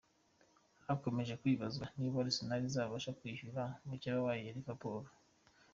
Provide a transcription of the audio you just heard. Hakomeje kwibazwa niba Arsenal irabasha kwishyura mukeba wayo Liverpool.